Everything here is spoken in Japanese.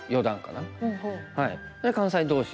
関西同士。